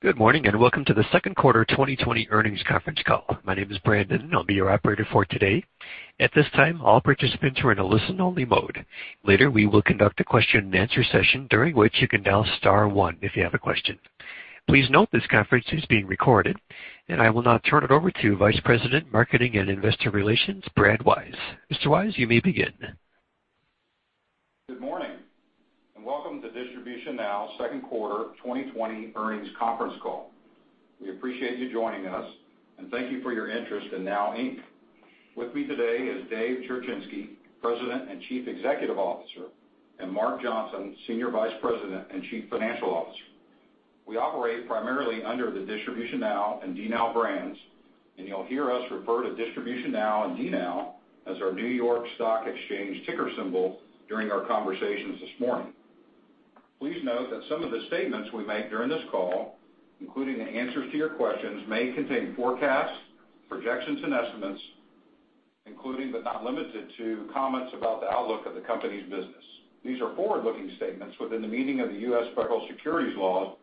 Good morning, and welcome to the second quarter 2020 earnings conference call. My name is Brandon, and I'll be your operator for today. At this time, all participants are in a listen-only mode. Later, we will conduct a question and answer session during which you can dial star one if you have a question. Please note this conference is being recorded, and I will now turn it over to Vice President, Marketing and Investor Relations, Brad Wise. Mr. Wise, you may begin. Good morning, welcome to DistributionNOW second quarter 2020 earnings conference call. We appreciate you joining us, and thank you for your interest in NOW Inc. With me today is Dave Cherechinsky, President and Chief Executive Officer, and Mark Johnson, Senior Vice President and Chief Financial Officer. We operate primarily under the DistributionNOW and DNOW brands, and you'll hear us refer to DistributionNOW and DNOW as our New York Stock Exchange ticker symbol during our conversations this morning. Please note that some of the statements we make during this call, including the answers to your questions, may contain forecasts, projections, and estimates, including but not limited to comments about the outlook of the company's business. These are forward-looking statements within the meaning of the U.S. federal securities laws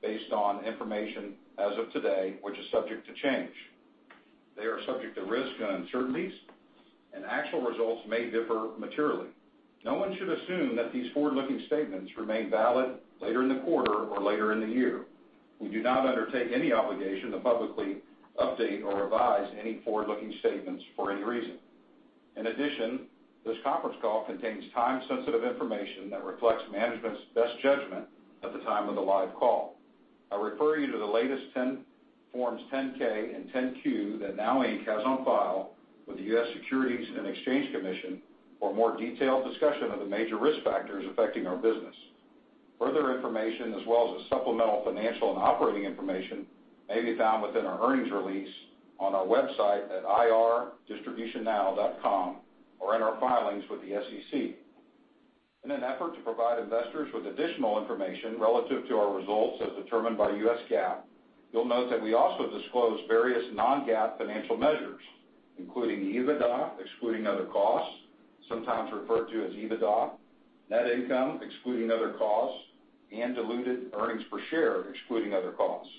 based on information as of today, which is subject to change. They are subject to risks and uncertainties, and actual results may differ materially. No one should assume that these forward-looking statements remain valid later in the quarter or later in the year. We do not undertake any obligation to publicly update or revise any forward-looking statements for any reason. In addition, this conference call contains time-sensitive information that reflects management's best judgment at the time of the live call. I refer you to the latest Forms 10-K and 10-Q that NOW Inc. has on file with the U.S. Securities and Exchange Commission for a more detailed discussion of the major risk factors affecting our business. Further information as well as supplemental financial and operating information may be found within our earnings release on our website at ir.dnow.com or in our filings with the SEC. In an effort to provide investors with additional information relative to our results as determined by U.S. GAAP, you'll note that we also disclose various non-GAAP financial measures, including EBITDA excluding other costs, sometimes referred to as EBITDA, net income excluding other costs, and diluted earnings per share excluding other costs.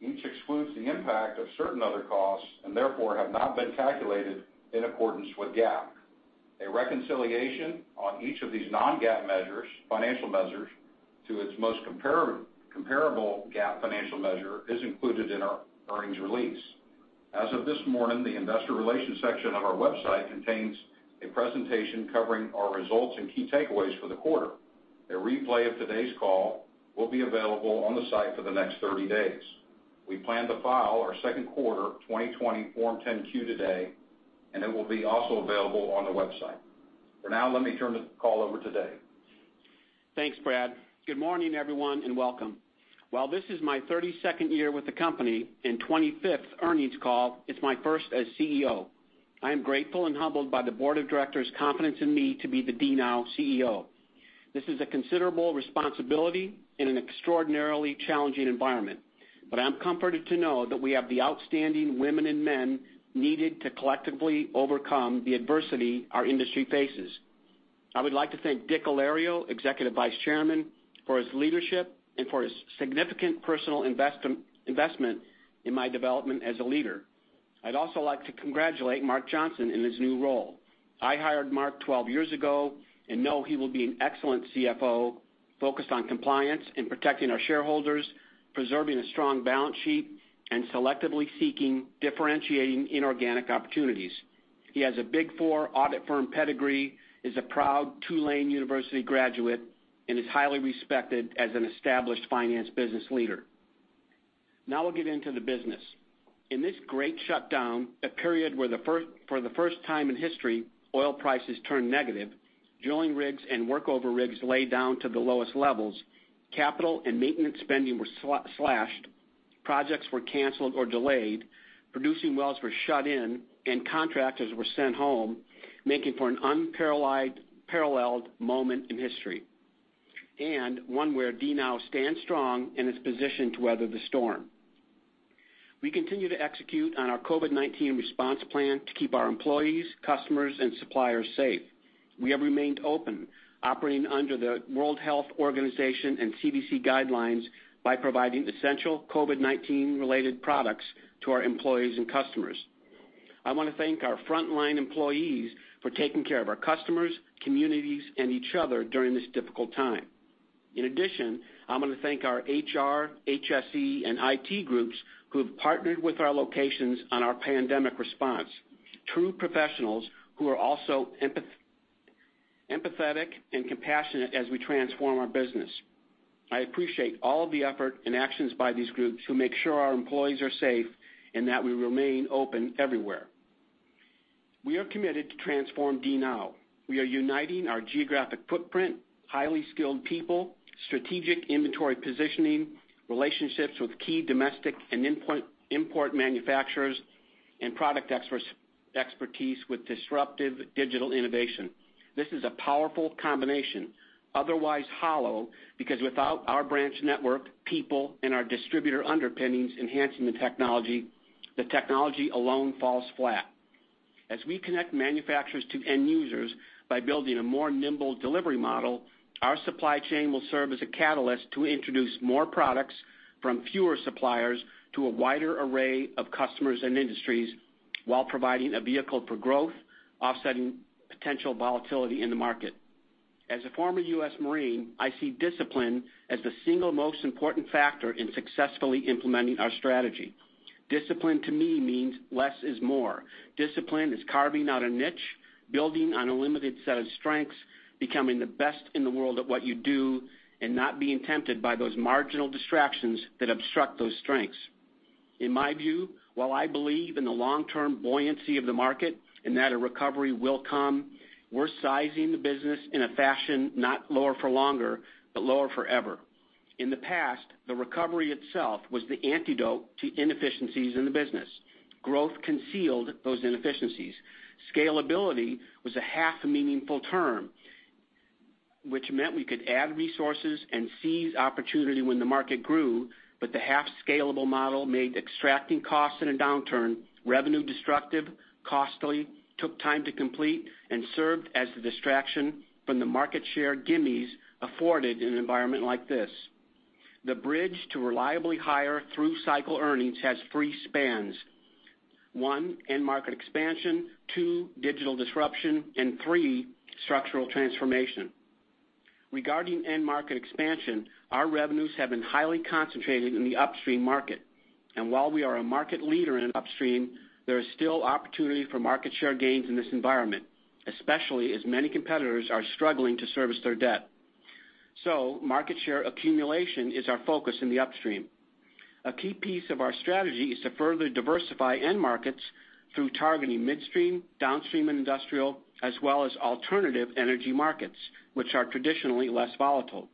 Each excludes the impact of certain other costs and therefore have not been calculated in accordance with GAAP. A reconciliation of each of these non-GAAP measures, financial measures to its most comparable GAAP financial measure is included in our earnings release. As of this morning, the investor relations section on our website contains a presentation covering our results and key takeaways for the quarter. A replay of today's call will be available on the site for the next 30 days. We plan to file our second quarter 2020 Form 10-Q today, and it will be also available on the website. For now, let me turn the call over to Dave. Thanks, Brad. Good morning, everyone, welcome. While this is my 32nd year with the company and 25th earnings call, it's my first as CEO. I am grateful and humbled by the board of directors' confidence in me to be the DNOW CEO. This is a considerable responsibility in an extraordinarily challenging environment. I'm comforted to know that we have the outstanding women and men needed to collectively overcome the adversity our industry faces. I would like to thank Dick Alario, Executive Vice Chairman, for his leadership and for his significant personal investment in my development as a leader. I'd also like to congratulate Mark Johnson in his new role. I hired Mark 12 years ago and know he will be an excellent CFO focused on compliance and protecting our shareholders, preserving a strong balance sheet, and selectively seeking differentiating inorganic opportunities. He has a Big Four audit firm pedigree, is a proud Tulane University graduate, and is highly respected as an established finance business leader. We'll get into the business. In this great shutdown, a period where for the first time in history, oil prices turned negative, drilling rigs and workover rigs laid down to the lowest levels, capital and maintenance spending were slashed, projects were canceled or delayed, producing wells were shut in, and contractors were sent home, making for an unparalleled moment in history, and one where DNOW stands strong in its position to weather the storm. We continue to execute on our COVID-19 response plan to keep our employees, customers, and suppliers safe. We have remained open, operating under the World Health Organization and CDC guidelines by providing essential COVID-19 related products to our employees and customers. I want to thank our frontline employees for taking care of our customers, communities, and each other during this difficult time. In addition, I want to thank our HR, HSE, and IT groups who have partnered with our locations on our pandemic response. True professionals who are also empathetic and compassionate as we transform our business. I appreciate all of the effort and actions by these groups who make sure our employees are safe and that we remain open everywhere. We are committed to transform DNOW. We are uniting our geographic footprint, highly skilled people, strategic inventory positioning, relationships with key domestic and import manufacturers, and product expertise with disruptive digital innovation. This is a powerful combination, otherwise hollow, because without our branch network, people, and our distributor underpinnings enhancing the technology, the technology alone falls flat. As we connect manufacturers to end users by building a more nimble delivery model, our supply chain will serve as a catalyst to introduce more products from fewer suppliers to a wider array of customers and industries, while providing a vehicle for growth, offsetting potential volatility in the market. As a former U.S. Marine, I see discipline as the single most important factor in successfully implementing our strategy. Discipline, to me, means less is more. Discipline is carving out a niche, building on a limited set of strengths, becoming the best in the world at what you do, and not being tempted by those marginal distractions that obstruct those strengths. In my view, while I believe in the long-term buoyancy of the market and that a recovery will come, we're sizing the business in a fashion not lower for longer, but lower for ever. In the past, the recovery itself was the antidote to inefficiencies in the business. Growth concealed those inefficiencies. Scalability was a half a meaningful term, which meant we could add resources and seize opportunity when the market grew, but the half scalable model made extracting costs in a downturn revenue destructive, costly, took time to complete, and served as the distraction from the market share gimmes afforded in an environment like this. The bridge to reliably higher through cycle earnings has three spans. One, end market expansion, two, digital disruption, and three, structural transformation. Regarding end market expansion, our revenues have been highly concentrated in the upstream market. While we are a market leader in upstream, there is still opportunity for market share gains in this environment, especially as many competitors are struggling to service their debt. Market share accumulation is our focus in the upstream. A key piece of our strategy is to further diversify end markets through targeting midstream, downstream, and industrial, as well as alternative energy markets, which are traditionally less volatile.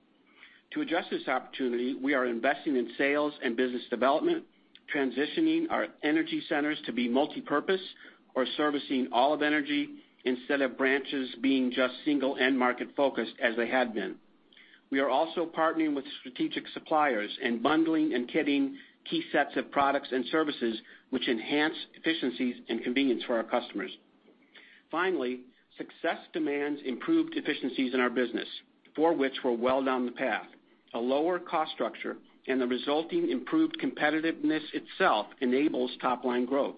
To address this opportunity, we are investing in sales and business development, transitioning our energy centers to be multipurpose or servicing all of energy instead of branches being just single end-market focused as they had been. We are also partnering with strategic suppliers and bundling and kitting key sets of products and services which enhance efficiencies and convenience for our customers. Finally, success demands improved efficiencies in our business, for which we're well down the path. A lower cost structure and the resulting improved competitiveness itself enables top-line growth,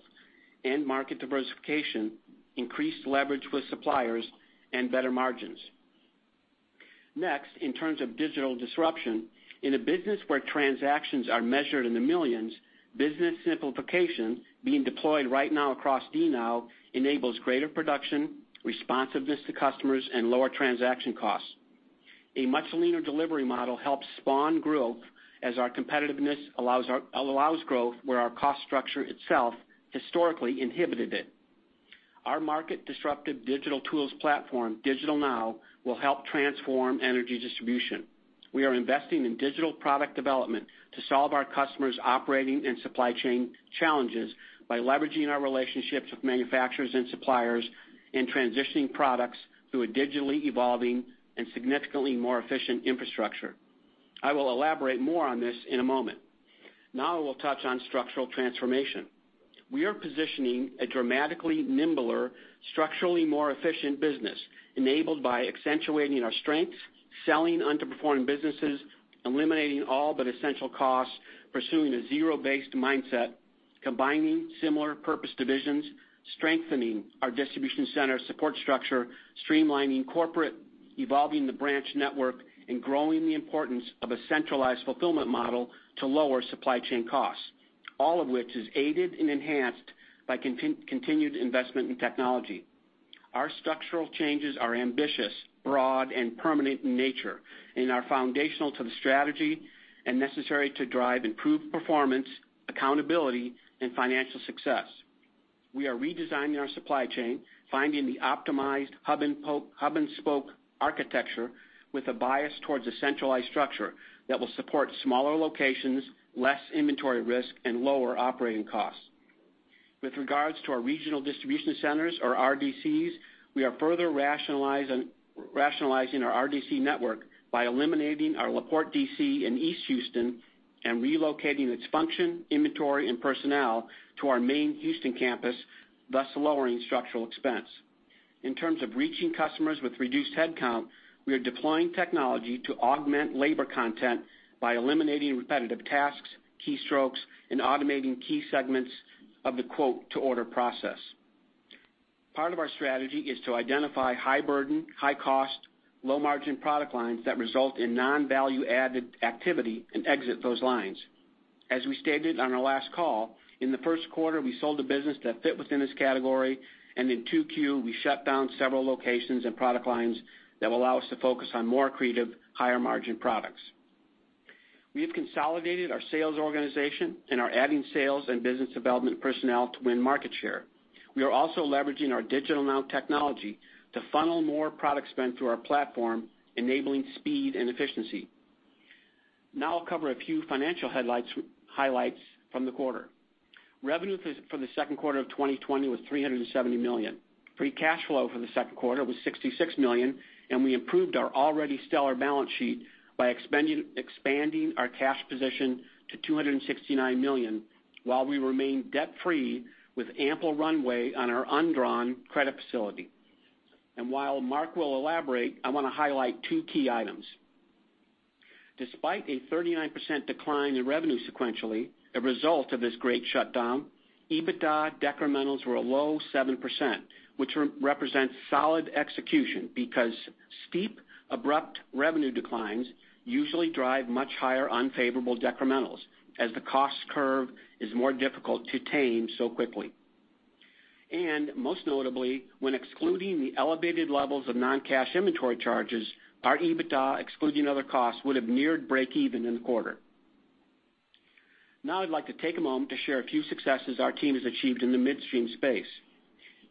end market diversification, increased leverage with suppliers, and better margins. In terms of digital disruption, in a business where transactions are measured in the millions, business simplification being deployed right now across DNOW enables greater production, responsiveness to customers, and lower transaction costs. A much leaner delivery model helps spawn growth as our competitiveness allows growth where our cost structure itself historically inhibited it. Our market-disruptive digital tools platform, DigitalNOW, will help transform energy distribution. We are investing in digital product development to solve our customers' operating and supply chain challenges by leveraging our relationships with manufacturers and suppliers in transitioning products through a digitally evolving and significantly more efficient infrastructure. I will elaborate more on this in a moment. I will touch on structural transformation. We are positioning a dramatically nimbler, structurally more efficient business enabled by accentuating our strengths, selling underperforming businesses, eliminating all but essential costs, pursuing a zero-based mindset, combining similar purpose divisions, strengthening our distribution center support structure, streamlining corporate, evolving the branch network, and growing the importance of a centralized fulfillment model to lower supply chain costs. All of which is aided and enhanced by continued investment in technology. Our structural changes are ambitious, broad, and permanent in nature and are foundational to the strategy and necessary to drive improved performance, accountability, and financial success. We are redesigning our supply chain, finding the optimized hub and spoke architecture with a bias towards a centralized structure that will support smaller locations, less inventory risk, and lower operating costs. With regards to our regional distribution centers, or RDCs, we are further rationalizing our RDC network by eliminating our La Porte DC in East Houston and relocating its function, inventory, and personnel to our main Houston campus, thus lowering structural expense. In terms of reaching customers with reduced headcount, we are deploying technology to augment labor content by eliminating repetitive tasks, keystrokes, and automating key segments of the quote to order process. Part of our strategy is to identify high burden, high cost, low margin product lines that result in non-value-added activity and exit those lines. As we stated on our last call, in the first quarter, we sold a business that fit within this category, and in 2Q, we shut down several locations and product lines that will allow us to focus on more accretive, higher margin products. We've consolidated our sales organization and are adding sales and business development personnel to win market share. We are also leveraging our DigitalNOW technology to funnel more product spend through our platform, enabling speed and efficiency. I'll cover a few financial highlights from the quarter. Revenue for the second quarter of 2020 was $370 million. Free cash flow for the second quarter was $66 million. We improved our already stellar balance sheet by expanding our cash position to $269 million, while we remain debt-free with ample runway on our undrawn credit facility. While Mark will elaborate, I want to highlight two key items. Despite a 39% decline in revenue sequentially, a result of this great shutdown, EBITDA decrementals were a low 7%, which represents solid execution because steep, abrupt revenue declines usually drive much higher unfavorable decrementals as the cost curve is more difficult to tame so quickly. Most notably, when excluding the elevated levels of non-cash inventory charges, our EBITDA, excluding other costs, would've neared break even in the quarter. Now I'd like to take a moment to share a few successes our team has achieved in the midstream space.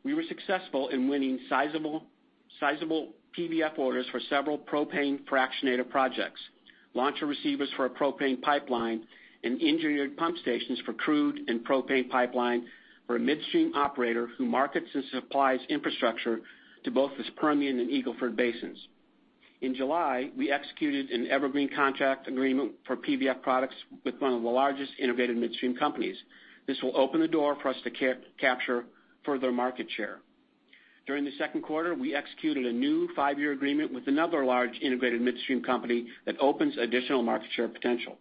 We were successful in winning sizable PVF orders for several propane fractionator projects, launcher receivers for a propane pipeline, and engineered pump stations for crude and propane pipeline for a midstream operator who markets and supplies infrastructure to both the Permian and Eagle Ford basins. In July, we executed an evergreen contract agreement for PVF products with one of the largest integrated midstream companies. This will open the door for us to capture further market share. During the second quarter, we executed a new five-year agreement with another large integrated midstream company that opens additional market share potential.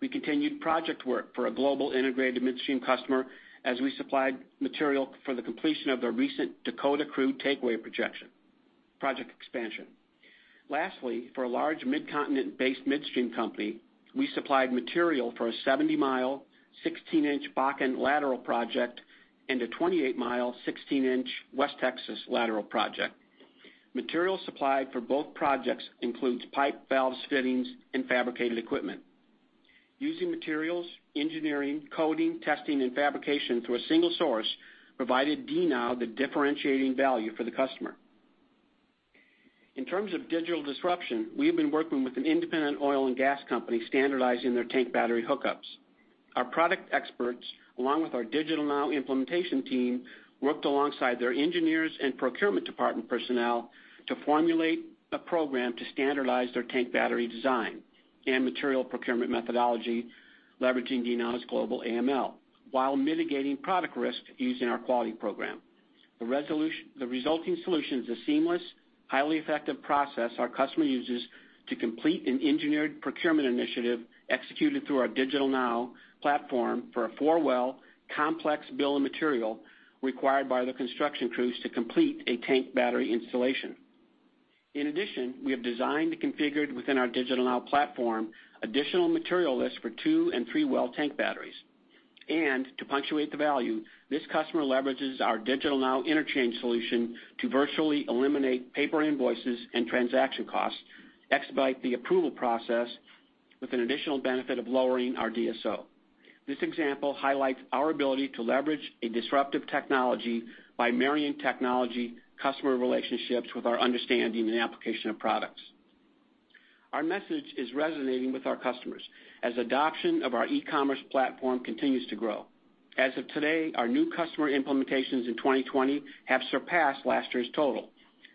We continued project work for a global integrated midstream customer as we supplied material for the completion of their recent Dakota Crude takeaway project expansion. Lastly, for a large mid-continent-based midstream company, we supplied material for a 70-mi, 16-in Bakken lateral project and a 28-ml, 16-in West Texas lateral project. Material supplied for both projects includes pipe, valves, fittings, and fabricated equipment. Using materials, engineering, coding, testing, and fabrication through a single source provided DNOW the differentiating value for the customer. In terms of digital disruption, we have been working with an independent oil and gas company standardizing their tank battery hookups. Our product experts, along with our DigitalNOW implementation team, worked alongside their engineers and procurement department personnel to formulate a program to standardize their tank battery design and material procurement methodology, leveraging DNOW's global AML, while mitigating product risk using our quality program. The resulting solution is a seamless, highly effective process our customer uses to complete an engineered procurement initiative executed through our DigitalNOW platform for four well complex bill of material required by the construction crews to complete a tank battery installation. In addition, we have designed and configured within our DigitalNOW platform additional material lists for two and three-well tank batteries. To punctuate the value, this customer leverages our DigitalNOW interchange solution to virtually eliminate paper invoices and transaction costs, expedite the approval process with an additional benefit of lowering our DSO. This example highlights our ability to leverage a disruptive technology by marrying technology customer relationships with our understanding and application of products. Our message is resonating with our customers as adoption of our e-commerce platform continues to grow. As of today, our new customer implementations in 2020 have surpassed last year's total,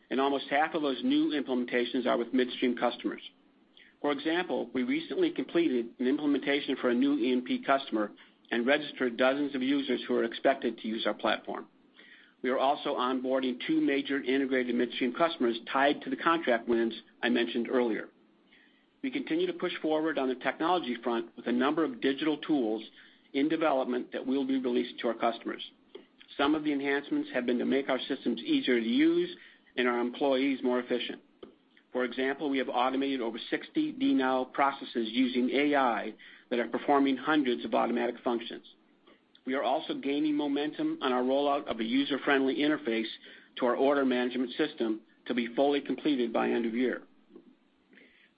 and almost half of those new implementations are with midstream customers. For example, we recently completed an implementation for a new E&P customer and registered dozens of users who are expected to use our platform. We are also onboarding two major integrated midstream customers tied to the contract wins I mentioned earlier. We continue to push forward on the technology front with a number of digital tools in development that will be released to our customers. Some of the enhancements have been to make our systems easier to use and our employees more efficient. For example, we have automated over 60 DNOW processes using AI that are performing hundreds of automatic functions. We are also gaining momentum on our rollout of a user-friendly interface to our order management system to be fully completed by end of year.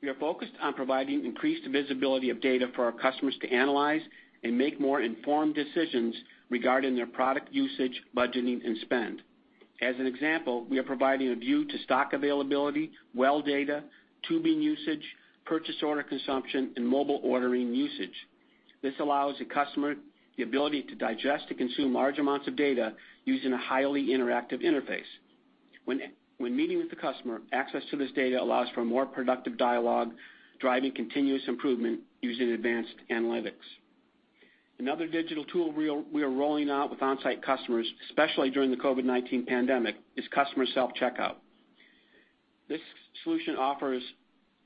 We are focused on providing increased visibility of data for our customers to analyze and make more informed decisions regarding their product usage, budgeting, and spend. As an example, we are providing a view to stock availability, well data, tubing usage, purchase order consumption, and mobile ordering usage. This allows the customer the ability to digest and consume large amounts of data using a highly interactive interface. When meeting with the customer, access to this data allows for a more productive dialogue, driving continuous improvement using advanced analytics. Another digital tool we are rolling out with on-site customers, especially during the COVID-19 pandemic, is customer self-checkout. This solution offers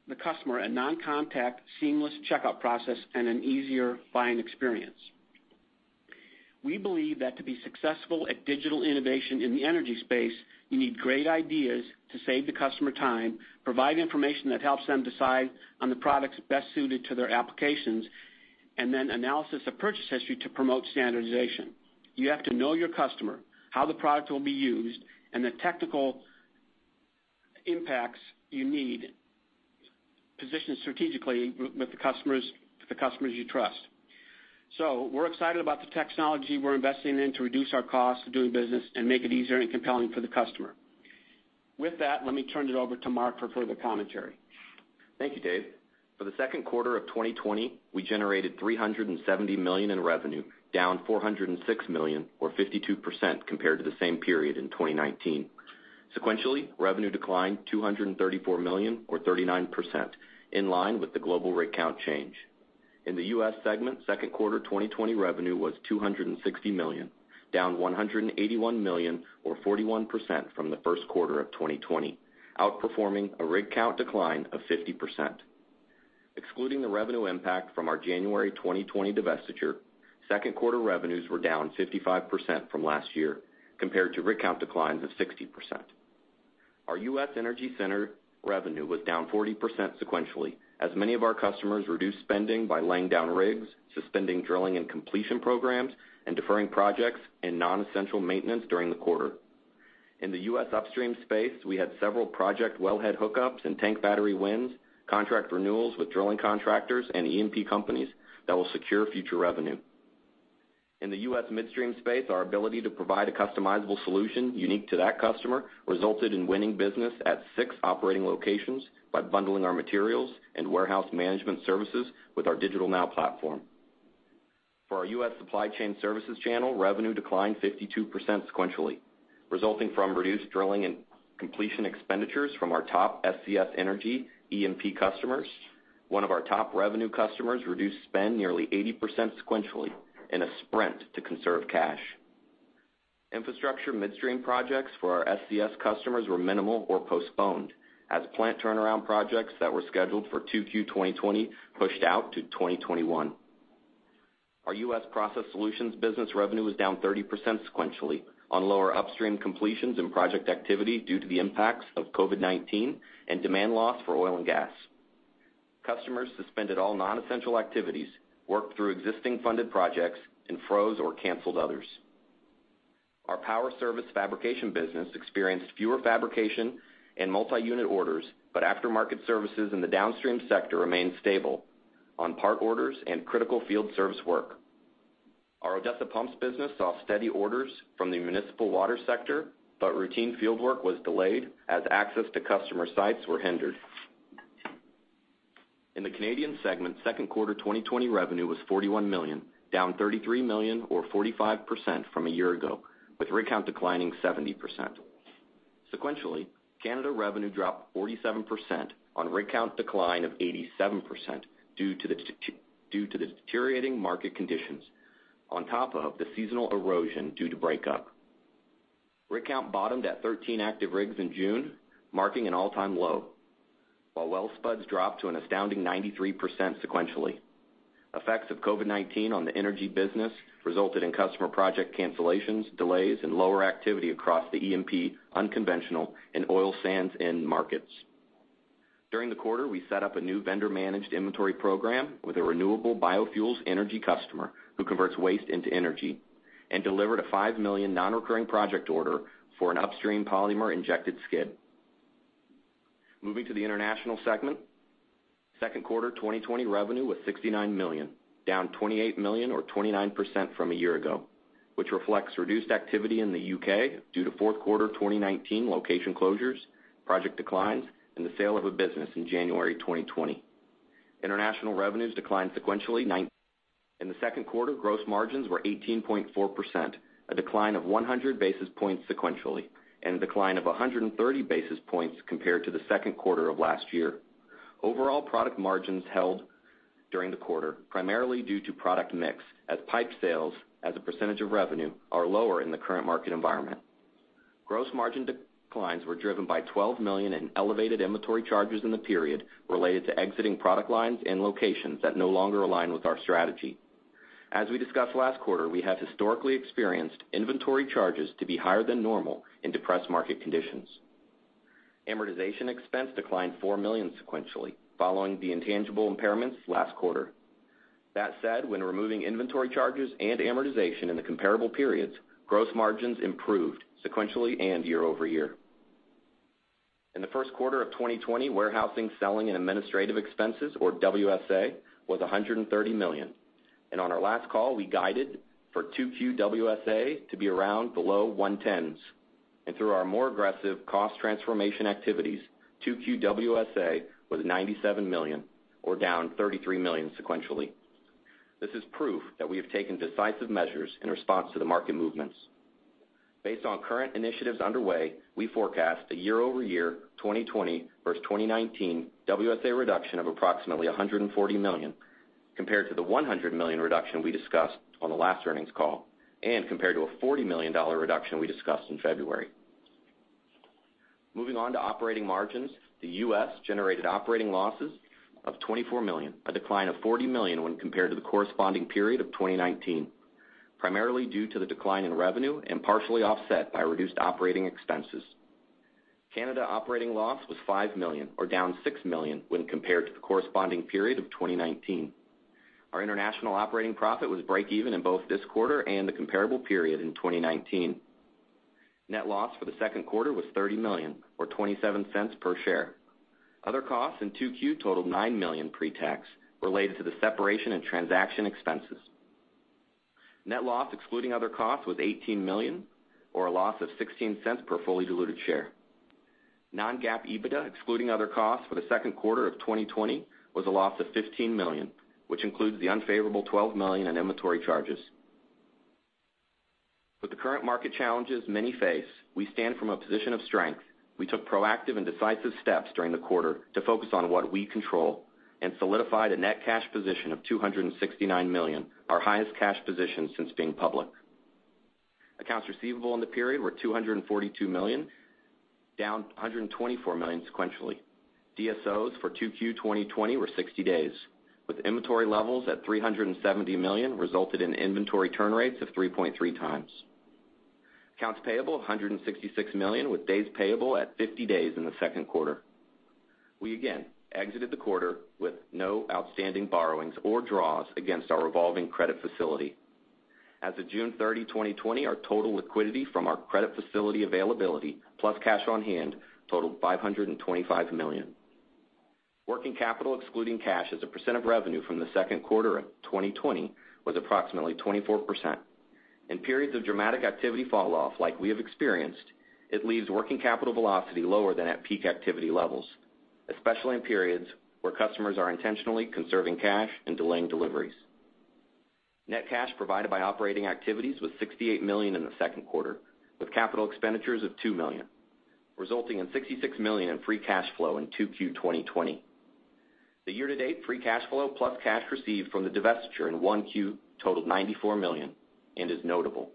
the customer a non-contact seamless checkout process and an easier buying experience. We believe that to be successful at digital innovation in the energy space, you need great ideas to save the customer time, provide information that helps them decide on the products best suited to their applications, and then analysis of purchase history to promote standardization. You have to know your customer, how the product will be used, and the technical impacts you need positioned strategically with the customers you trust. We're excited about the technology we're investing in to reduce our cost of doing business and make it easier and compelling for the customer. With that, let me turn it over to Mark for further commentary. Thank you, Dave. For the second quarter of 2020, we generated $370 million in revenue, down $406 million or 52% compared to the same period in 2019. Sequentially, revenue declined $234 million or 39%, in line with the global rig count change. In the U.S. segment, second quarter 2020 revenue was $260 million, down $181 million or 41% from the first quarter of 2020, outperforming a rig count decline of 50%. Excluding the revenue impact from our January 2020 divestiture, second quarter revenues were down 55% from last year compared to rig count declines of 60%. Our U.S. energy center revenue was down 40% sequentially. As many of our customers reduced spending by laying down rigs, suspending drilling and completion programs, and deferring projects and non-essential maintenance during the quarter. In the U.S. upstream space, we had several project wellhead hookups and tank battery wins, contract renewals with drilling contractors and E&P companies that will secure future revenue. In the U.S. midstream space, our ability to provide a customizable solution unique to that customer resulted in winning business at six operating locations by bundling our materials and warehouse management services with our DigitalNOW platform. For our U.S. supply chain services channel, revenue declined 52% sequentially, resulting from reduced drilling and completion expenditures from our top SCS energy E&P customers. One of our top revenue customers reduced spend nearly 80% sequentially in a sprint to conserve cash. Infrastructure midstream projects for our SCS customers were minimal or postponed as plant turnaround projects that were scheduled for 2Q 2020 pushed out to 2021. Our U.S. process solutions business revenue was down 30% sequentially on lower upstream completions and project activity due to the impacts of COVID-19 and demand loss for oil and gas. Customers suspended all non-essential activities, worked through existing funded projects, and froze or canceled others. Our Power Service fabrication business experienced fewer fabrication and multi-unit orders, but aftermarket services in the downstream sector remained stable on part orders and critical field service work. Our Odessa Pumps business saw steady orders from the municipal water sector, but routine fieldwork was delayed as access to customer sites were hindered. In the Canadian segment, second quarter 2020 revenue was $41 million, down $33 million or 45% from a year ago, with rig count declining 70%. Sequentially, Canada revenue dropped 47% on rig count decline of 87% due to the deteriorating market conditions on top of the seasonal erosion due to breakup. Rig count bottomed at 13 active rigs in June, marking an all-time low. Well spuds dropped to an astounding 93% sequentially. Effects of COVID-19 on the energy business resulted in customer project cancellations, delays, and lower activity across the E&P, unconventional and oil sands end markets. During the quarter, we set up a new vendor-managed inventory program with a renewable biofuels energy customer who converts waste into energy. Delivered a $5 million non-recurring project order for an upstream polymer-injected skid. Moving to the international segment. Second quarter 2020 revenue was $69 million, down $28 million or 29% from a year ago, which reflects reduced activity in the U.K. due to fourth quarter 2019 location closures, project declines, and the sale of a business in January 2020. International revenues declined sequentially. In the second quarter, gross margins were 18.4%, a decline of 100 basis points sequentially, and a decline of 130 basis points compared to the second quarter of last year. Overall, product margins held during the quarter, primarily due to product mix, as pipe sales as a percentage of revenue are lower in the current market environment. Gross margin declines were driven by $12 million in elevated inventory charges in the period related to exiting product lines and locations that no longer align with our strategy. As we discussed last quarter, we have historically experienced inventory charges to be higher than normal in depressed market conditions. Amortization expense declined $4 million sequentially, following the intangible impairments last quarter. When removing inventory charges and amortization in the comparable periods, gross margins improved sequentially and year-over-year. In the first quarter of 2020, warehousing, selling and administrative expenses or WSA, was $130 million. On our last call, we guided for 2Q WSA to be around below $110 million. Through our more aggressive cost transformation activities, 2Q WSA was $97 million or down $33 million sequentially. This is proof that we have taken decisive measures in response to the market movements. Based on current initiatives underway, we forecast a year-over-year 2020 versus 2019 WSA reduction of approximately $140 million compared to the $100 million reduction we discussed on the last earnings call and compared to a $40 million reduction we discussed in February. Moving on to operating margins. The U.S. generated operating losses of $24 million, a decline of $40 million when compared to the corresponding period of 2019, primarily due to the decline in revenue and partially offset by reduced operating expenses. Canada operating loss was $5 million or down $6 million when compared to the corresponding period of 2019. Our international operating profit was break even in both this quarter and the comparable period in 2019. Net loss for the second quarter was $30 million or $0.27 per share. Other costs in 2Q totaled $9 million pre-tax related to the separation and transaction expenses. Net loss excluding other costs was $18 million or a loss of $0.16 per fully diluted share. Non-GAAP EBITDA, excluding other costs for the second quarter of 2020, was a loss of $15 million, which includes the unfavorable $12 million in inventory charges. With the current market challenges many face, we stand from a position of strength. We took proactive and decisive steps during the quarter to focus on what we control and solidified a net cash position of $269 million, our highest cash position since being public. Accounts receivable in the period were $242 million, down $124 million sequentially. DSOs for 2Q 2020 were 60 days, with inventory levels at $370 million resulted in inventory turn rates of 3.3x. Accounts payable, $166 million, with days payable at 50 days in the second quarter. We again exited the quarter with no outstanding borrowings or draws against our revolving credit facility. As of June 30, 2020, our total liquidity from our credit facility availability, plus cash on hand, totaled $525 million. Working capital excluding cash as a percent of revenue from the second quarter of 2020 was approximately 24%. In periods of dramatic activity falloff like we have experienced, it leaves working capital velocity lower than at peak activity levels, especially in periods where customers are intentionally conserving cash and delaying deliveries. Net cash provided by operating activities was $68 million in the second quarter, with capital expenditures of $2 million, resulting in $66 million in free cash flow in 2Q 2020. The year-to-date free cash flow plus cash received from the divestiture in 1Q totaled $94 million and is notable.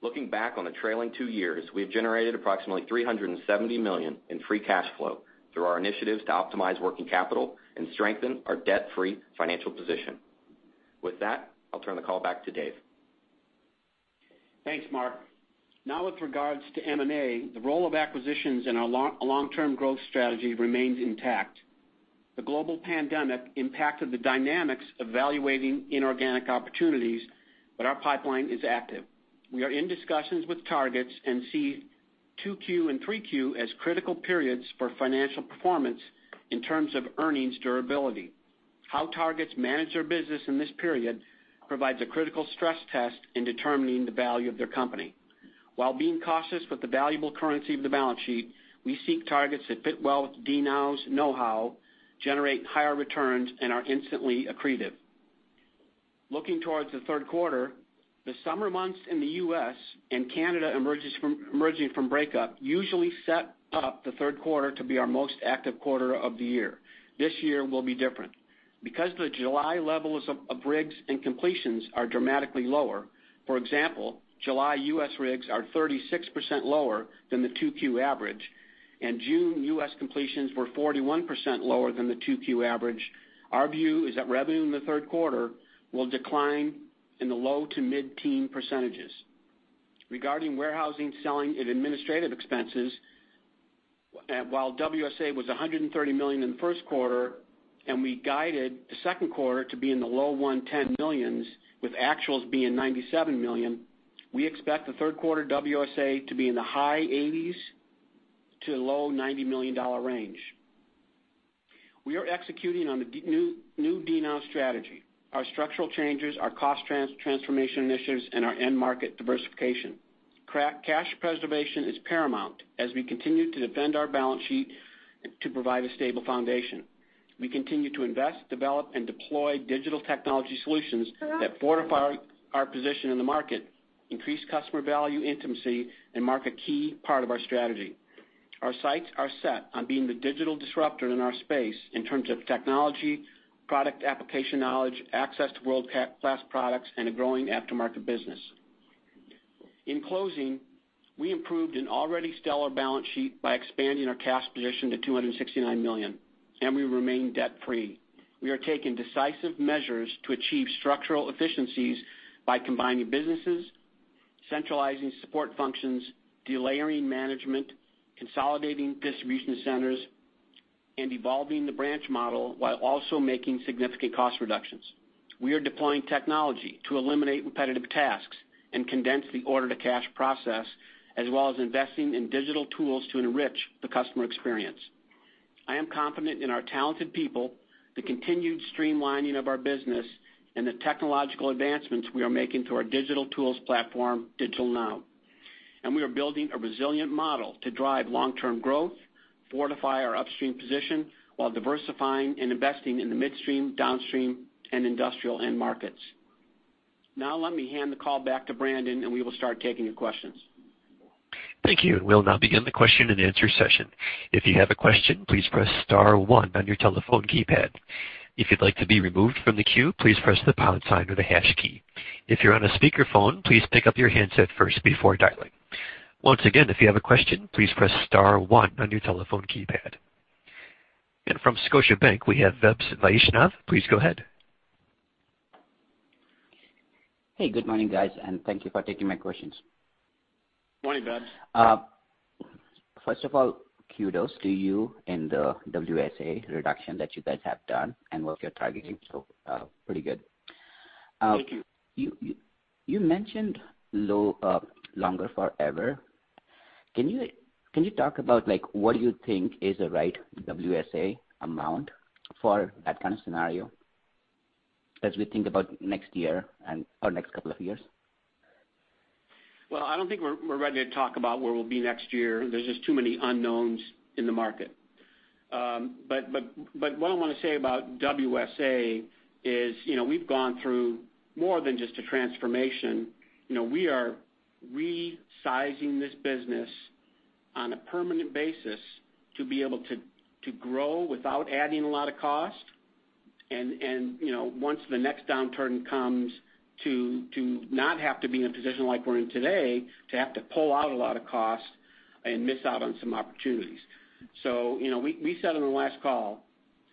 Looking back on the trailing two years, we have generated approximately $370 million in free cash flow through our initiatives to optimize working capital and strengthen our debt-free financial position. With that, I'll turn the call back to Dave. Thanks, Mark. With regards to M&A, the role of acquisitions in our long-term growth strategy remains intact. The global pandemic impacted the dynamics evaluating inorganic opportunities, but our pipeline is active. We are in discussions with targets and see 2Q and 3Q as critical periods for financial performance in terms of earnings durability. How targets manage their business in this period provides a critical stress test in determining the value of their company. While being cautious with the valuable currency of the balance sheet, we seek targets that fit well with DNOW's know-how, generate higher returns, and are instantly accretive. Looking towards the third quarter, the summer months in the U.S. and Canada emerging from breakup usually set up the third quarter to be our most active quarter of the year. This year will be different. The July levels of rigs and completions are dramatically lower, for example, July U.S. rigs are 36% lower than the 2Q average, and June U.S. completions were 41% lower than the 2Q average, our view is that revenue in the third quarter will decline in the low-to-mid-teen percentages. Regarding warehousing, selling, and administrative expenses, while WSA was $130 million in the first quarter and we guided the second quarter to be in the low $110 million with actuals being $97 million, we expect the third quarter WSA to be in the high 80s to the low $90 million range. We are executing on the new DNOW strategy, our structural changes, our cost transformation initiatives, and our end market diversification. Cash preservation is paramount as we continue to defend our balance sheet to provide a stable foundation. We continue to invest, develop, and deploy digital technology solutions that fortify our position in the market, increase customer value intimacy, and mark a key part of our strategy. Our sights are set on being the digital disruptor in our space in terms of technology, product application knowledge, access to world-class products, and a growing aftermarket business. In closing, we improved an already stellar balance sheet by expanding our cash position to $269 million, and we remain debt free. We are taking decisive measures to achieve structural efficiencies by combining businesses, centralizing support functions, delayering management, consolidating distribution centers, and evolving the branch model while also making significant cost reductions. We are deploying technology to eliminate repetitive tasks and condense the order-to-cash process, as well as investing in digital tools to enrich the customer experience. I am confident in our talented people, the continued streamlining of our business, and the technological advancements we are making to our digital tools platform, DigitalNOW. We are building a resilient model to drive long-term growth, fortify our upstream position while diversifying and investing in the midstream, downstream, and industrial end markets. Now let me hand the call back to Brandon, and we will start taking your questions. Thank you. We'll now begin the question and answer session. If you have a question, please press star one on your telephone keypad. If you'd like to be removed from the queue, please press the pound sign or the hash key. If you're on a speakerphone, please pick up your handset first before dialing. Once again, if you have a question, please press star one on your telephone keypad. From Scotiabank, we have Vaibhav Vaishnav. Please go ahead. Hey, good morning, guys, and thank you for taking my questions. Morning, Vaib. First of all, kudos to you and the WSA reduction that you guys have done and what you're targeting. Pretty good. Thank you. You mentioned longer forever. Can you talk about what you think is the right WSA amount for that kind of scenario as we think about next year or next couple of years? Well, I don't think we're ready to talk about where we'll be next year. There's just too many unknowns in the market. What I want to say about WSA is, we've gone through more than just a transformation. We are resizing this business on a permanent basis to be able to grow without adding a lot of cost. Once the next downturn comes, to not have to be in a position like we're in today, to have to pull out a lot of cost and miss out on some opportunities. We said on the last call,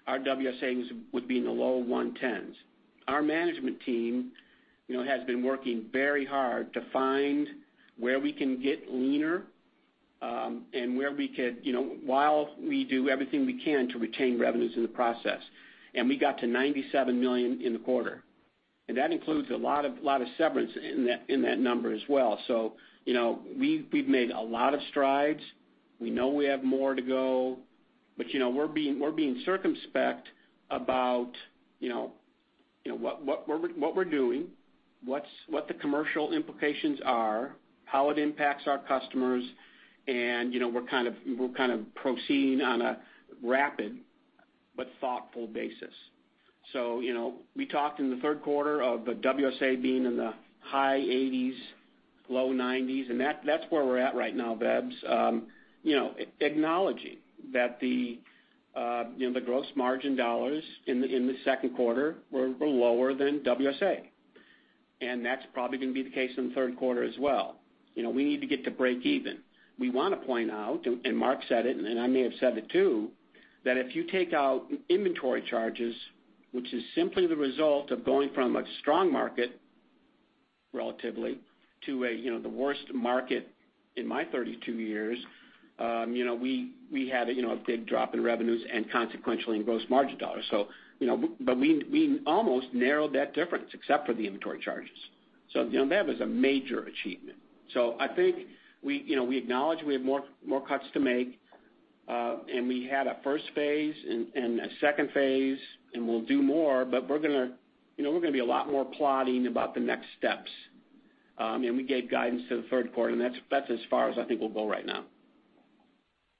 our WSAs would be in the low 110s. Our management team has been working very hard to find where we can get leaner, while we do everything we can to retain revenues in the process. We got to $97 million in the quarter. That includes a lot of severance in that number as well. We've made a lot of strides. We know we have more to go, but we're being circumspect about what we're doing, what the commercial implications are, how it impacts our customers, and we're proceeding on a rapid but thoughtful basis. We talked in the third quarter of the WSA being in the high 80s, low 90s, and that's where we're at right now, Vaibs. Acknowledging that the gross margin dollars in the second quarter were lower than WSA. That's probably going to be the case in the third quarter as well. We need to get to break even. We want to point out, and Mark said it, and I may have said it too, that if you take out inventory charges, which is simply the result of going from a strong market, relatively, to the worst market in my 32 years, we had a big drop in revenues and consequentially in gross margin dollars. We almost narrowed that difference except for the inventory charges. That was a major achievement. I think we acknowledge we have more cuts to make. We had a first phase and a second phase, and we'll do more, but we're going to be a lot more plodding about the next steps. We gave guidance to the third quarter, and that's as far as I think we'll go right now.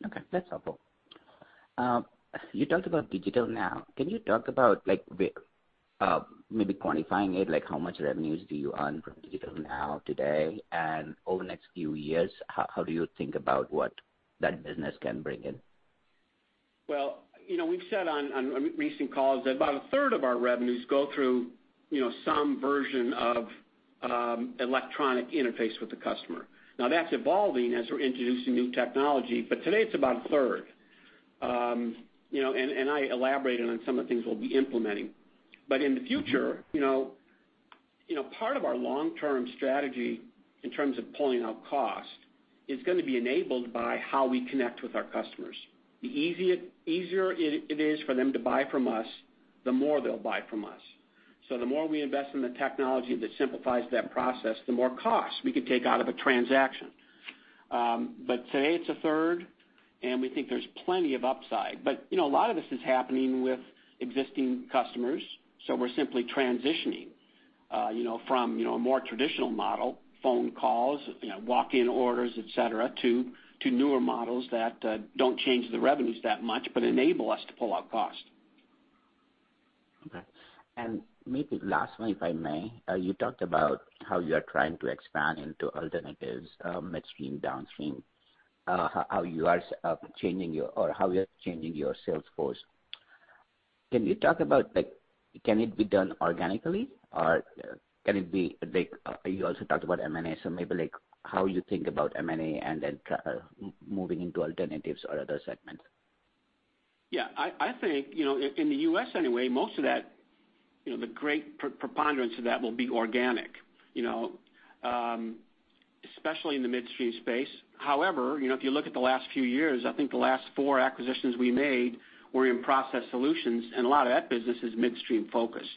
Okay. That's helpful. You talked about DigitalNOW. Can you talk about maybe quantifying it? How much revenues do you earn from DigitalNOW, today, and over the next few years, how do you think about what that business can bring in? Well, we've said on recent calls that about a third of our revenues go through some version of electronic interface with the customer. That's evolving as we're introducing new technology, but today it's about a third. I elaborated on some of the things we'll be implementing. In the future, part of our long-term strategy in terms of pulling out cost is going to be enabled by how we connect with our customers. The easier it is for them to buy from us, the more they'll buy from us. The more we invest in the technology that simplifies that process, the more cost we can take out of a transaction. Today it's a third, and we think there's plenty of upside. A lot of this is happening with existing customers, so we're simply transitioning from a more traditional model, phone calls, walk-in orders, et cetera, to newer models that don't change the revenues that much but enable us to pull out cost. Okay. Maybe last one, if I may. You talked about how you are trying to expand into alternatives, midstream, downstream, how you are changing your sales force. Can you talk about, can it be done organically? You also talked about M&A, so maybe how you think about M&A and then moving into alternatives or other segments. Yeah, I think, in the U.S. anyway, most of that, the great preponderance of that will be organic. Especially in the midstream space. However, if you look at the last few years, I think the last four acquisitions we made were in process solutions, and a lot of that business is midstream focused.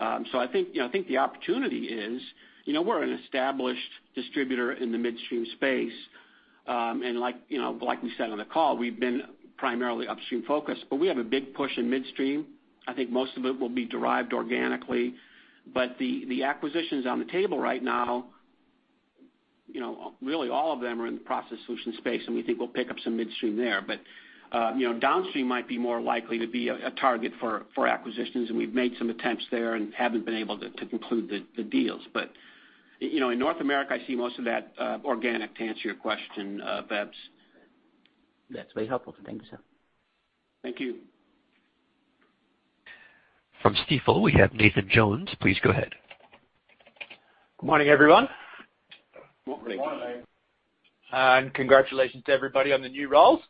I think the opportunity is, we're an established distributor in the midstream space. Like we said on the call, we've been primarily upstream focused, but we have a big push in midstream. I think most of it will be derived organically. The acquisitions on the table right now, really all of them are in the process solutions space, and we think we'll pick up some midstream there. Downstream might be more likely to be a target for acquisitions, and we've made some attempts there and haven't been able to conclude the deals. In North America, I see most of that organic, to answer your question, Vaibs. That's very helpful. Thank you, sir. Thank you. From Stifel, we have Nathan Jones. Please go ahead. Good morning, everyone. Congratulations to everybody on the new roles.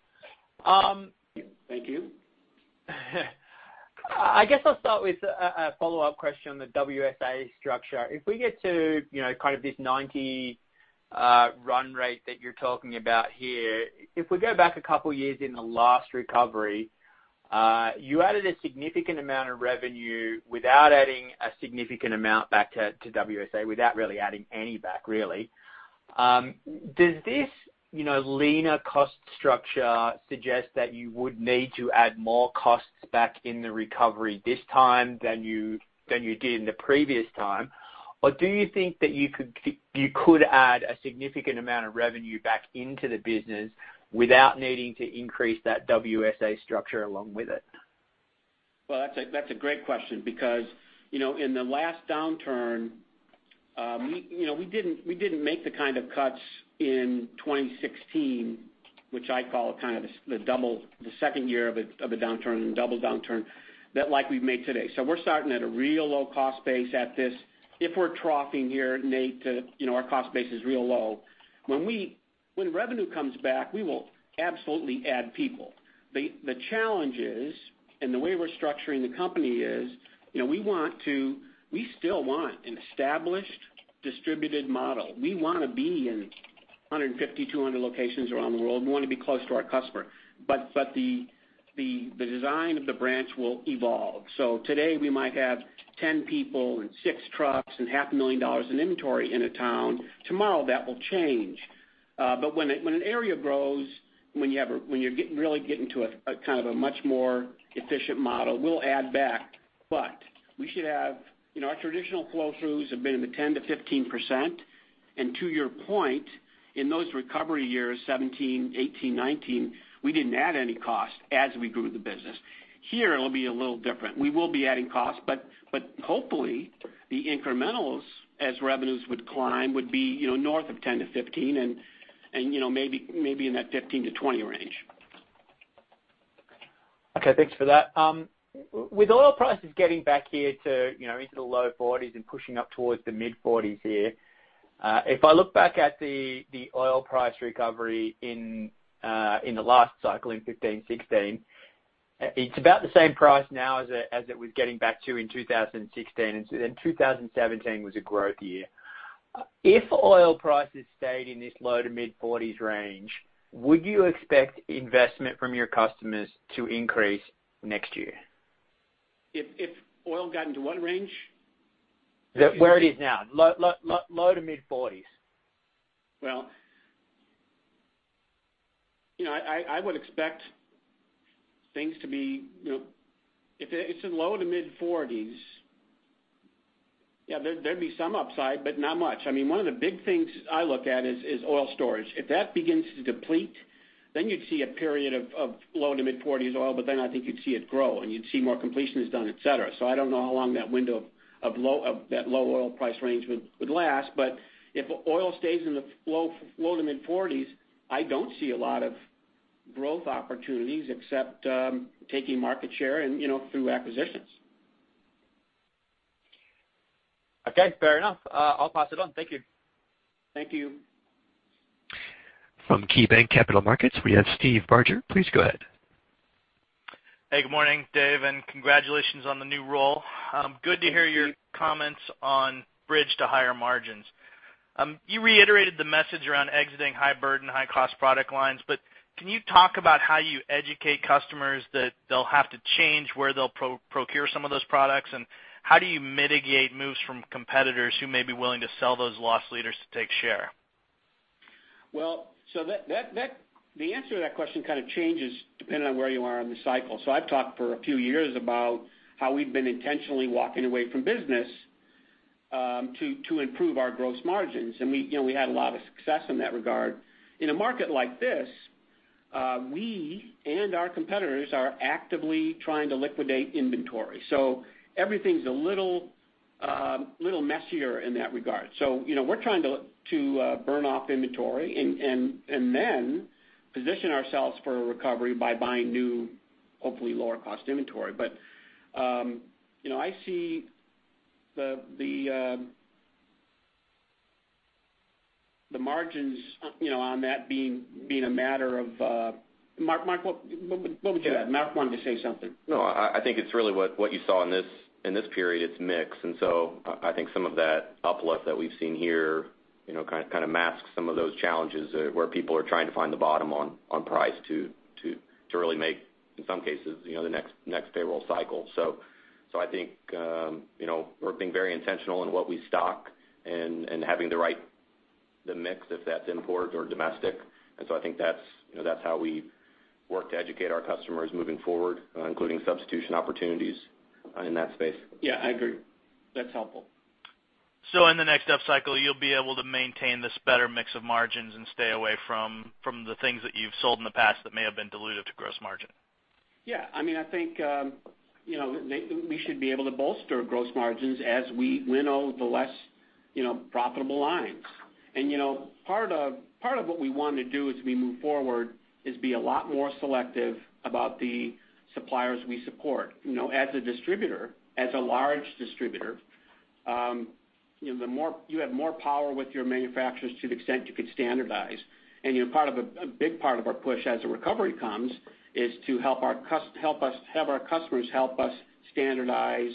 Thank you. I guess I'll start with a follow-up question on the WSA structure. If we get to kind of this 90 run rate that you're talking about here. If we go back a couple of years in the last recovery, you added a significant amount of revenue without adding a significant amount back to WSA, without really adding any back. Does this leaner cost structure suggest that you would need to add more costs back in the recovery this time than you did in the previous time? Or do you think that you could add a significant amount of revenue back into the business without needing to increase that WSA structure along with it? Well, that's a great question because, in the last downturn, we didn't make the kind of cuts in 2016, which I call kind of the second year of a downturn and the double downturn, that like we've made today. We're starting at a real low cost base at this. If we're troughing here, Nate, our cost base is real low. When revenue comes back, we will absolutely add people. The challenge is, and the way we're structuring the company is, we still want an established distributed model. We want to be in 150, 200 locations around the world. We want to be close to our customer. The design of the branch will evolve. Today we might have 10 people and six trucks and half a million dollars in inventory in a town. Tomorrow, that will change. When an area grows, when you really get into a much more efficient model, we'll add back. Our traditional flow-throughs have been in the 10%-15%. To your point, in those recovery years, 2017, 2018, 2019, we didn't add any cost as we grew the business. Here, it'll be a little different. We will be adding cost, but hopefully, the incrementals, as revenues would climb, would be north of 10%-15% and maybe in that 15%-20% range. Okay, thanks for that. With oil prices getting back here into the low $40s and pushing up towards the mid-$40s here, if I look back at the oil price recovery in the last cycle in 2015, 2016, it's about the same price now as it was getting back to in 2016. 2017 was a growth year. If oil prices stayed in this low to mid-$40s range, would you expect investment from your customers to increase next year? If oil got into what range? Where it is now, low to mid-40s. Well, I would expect If it's in low to mid-40s, yeah, there'd be some upside, but not much. One of the big things I look at is oil storage. If that begins to deplete, then you'd see a period of low to mid-40s oil, but then I think you'd see it grow, and you'd see more completions done, et cetera. I don't know how long that window of that low oil price range would last. If oil stays in the low to mid-40s, I don't see a lot of growth opportunities except taking market share through acquisitions. Okay, fair enough. I'll pass it on. Thank you. Thank you. From KeyBanc Capital Markets, we have Steve Barger. Please go ahead. Hey, good morning, Dave, and congratulations on the new role. Good to hear your comments on bridge to higher margins. You reiterated the message around exiting high burden, high cost product lines, but can you talk about how you educate customers that they'll have to change where they'll procure some of those products? How do you mitigate moves from competitors who may be willing to sell those loss leaders to take share? Well, the answer to that question kind of changes depending on where you are in the cycle. I've talked for a few years about how we've been intentionally walking away from business to improve our gross margins. We had a lot of success in that regard. In a market like this, we and our competitors are actively trying to liquidate inventory. Everything's a little messier in that regard. We're trying to burn off inventory and then position ourselves for a recovery by buying new, hopefully lower cost inventory. I see the margins on that being a matter of Mark, what would you add? Mark wanted to say something. No, I think it's really what you saw in this period, it's mix. I think some of that uplift that we've seen here kind of masks some of those challenges where people are trying to find the bottom on price to really make, in some cases, the next payroll cycle. I think we're being very intentional in what we stock and having the right mix, if that's import or domestic. I think that's how we work to educate our customers moving forward, including substitution opportunities in that space. Yeah, I agree. That's helpful. In the next up cycle, you'll be able to maintain this better mix of margins and stay away from the things that you've sold in the past that may have been dilutive to gross margin. Yeah, I think we should be able to bolster gross margins as we winnow the less profitable lines. Part of what we want to do as we move forward is be a lot more selective about the suppliers we support. As a distributor, as a large distributor, you have more power with your manufacturers to the extent you can standardize. A big part of our push as a recovery comes is to have our customers help us standardize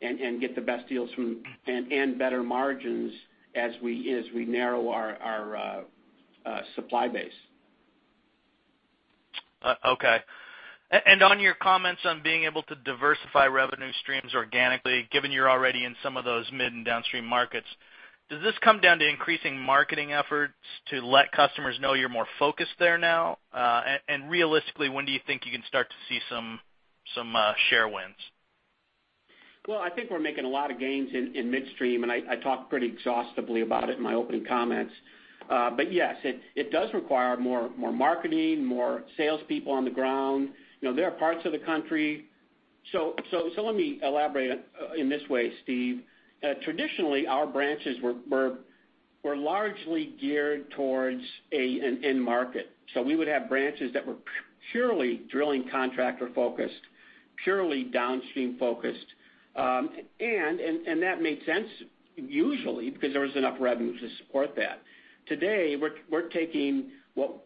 and get the best deals and better margins as we narrow our supply base. Okay. On your comments on being able to diversify revenue streams organically, given you're already in some of those mid and downstream markets, does this come down to increasing marketing efforts to let customers know you're more focused there now? Realistically, when do you think you can start to see some share wins? Well, I think we're making a lot of gains in midstream, and I talked pretty exhaustively about it in my opening comments. Yes, it does require more marketing, more salespeople on the ground. There are parts of the country. Let me elaborate in this way, Steve. Traditionally, our branches were largely geared towards an end market. We would have branches that were purely drilling contractor focused, purely downstream focused. That made sense usually because there was enough revenue to support that. Today, we're taking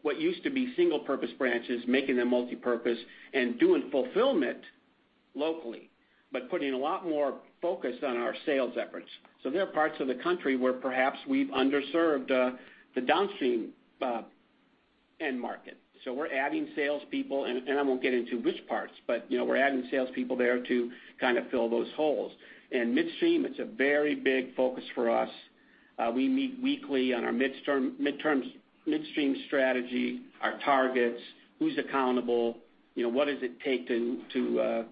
what used to be single purpose branches, making them multipurpose and doing fulfillment locally, but putting a lot more focus on our sales efforts. There are parts of the country where perhaps we've underserved the downstream end market. We're adding salespeople, and I won't get into which parts, but we're adding salespeople there to kind of fill those holes. Midstream, it's a very big focus for us. We meet weekly on our midstream strategy, our targets, who's accountable, what does it take to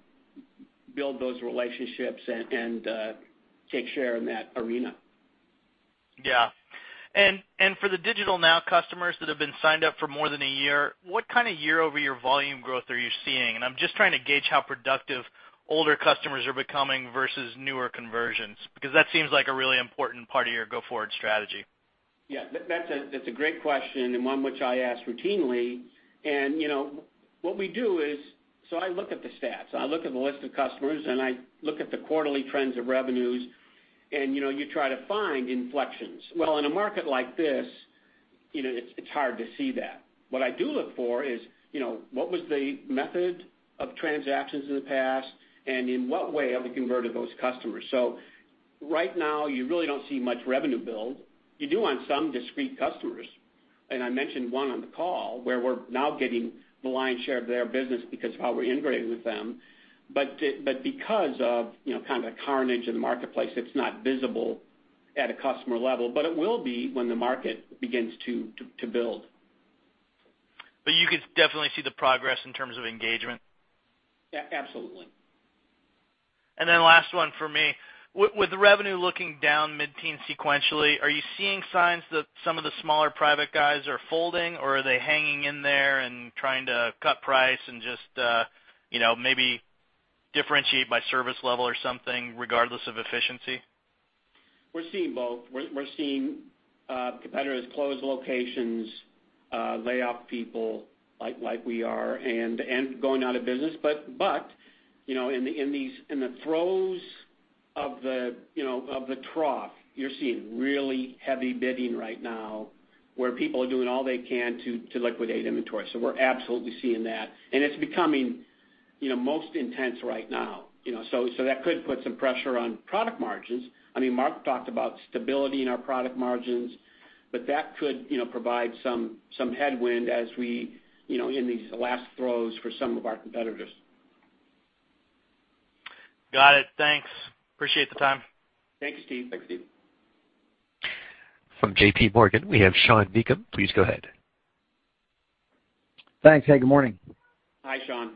build those relationships and take share in that arena. Yeah. For the DigitalNOW customers that have been signed up for more than a year, what kind of year-over-year volume growth are you seeing? I'm just trying to gauge how productive older customers are becoming versus newer conversions, because that seems like a really important part of your go-forward strategy. Yeah, that's a great question, and one which I ask routinely. What we do is, so I look at the stats, I look at the list of customers, and I look at the quarterly trends of revenues, and you try to find inflections. Well, in a market like this, it's hard to see that. What I do look for is, what was the method of transactions in the past, and in what way have we converted those customers? Right now, you really don't see much revenue build. You do on some discrete customers. I mentioned one on the call where we're now getting the lion's share of their business because of how we're integrating with them. Because of kind of the carnage in the marketplace, it's not visible at a customer level, but it will be when the market begins to build. You could definitely see the progress in terms of engagement? Yeah, absolutely. Last one for me. With the revenue looking down mid-teen sequentially, are you seeing signs that some of the smaller private guys are folding, or are they hanging in there and trying to cut price and just maybe differentiate by service level or something regardless of efficiency? We're seeing both. We're seeing competitors close locations, lay off people like we are, and going out of business. In the throes of the trough, you're seeing really heavy bidding right now, where people are doing all they can to liquidate inventory. We're absolutely seeing that, and it's becoming most intense right now. That could put some pressure on product margins. Mark talked about stability in our product margins, but that could provide some headwind in these last throes for some of our competitors. Got it. Thanks. Appreciate the time. Thanks, Steve. Thanks, Steve. From JPMorgan, we have Sean Meakim. Please go ahead. Thanks. Hey, good morning. Hi, Sean.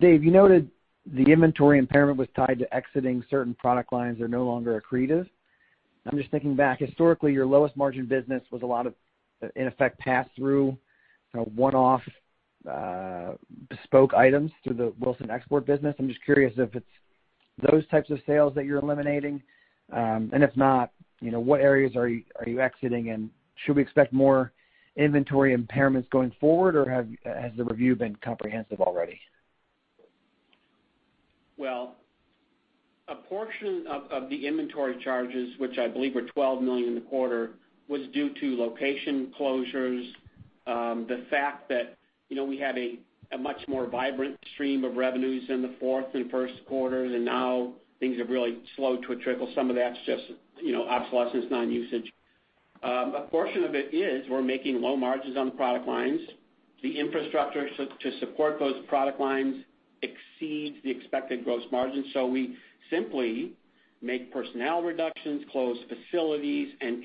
Dave, you noted the inventory impairment was tied to exiting certain product lines that are no longer accretive. I'm just thinking back. Historically, your lowest margin business was a lot of, in effect, pass through kind of one-off bespoke items through the Wilson Export business. I'm just curious if it's those types of sales that you're eliminating. If not, what areas are you exiting, and should we expect more inventory impairments going forward, or has the review been comprehensive already? A portion of the inventory charges, which I believe were $12 million in the quarter, was due to location closures. The fact that we had a much more vibrant stream of revenues in the fourth and first quarters, and now things have really slowed to a trickle. Some of that's just obsolescence, non-usage. A portion of it is we're making low margins on product lines. The infrastructure to support those product lines exceeds the expected gross margin. We simply make personnel reductions, close facilities, and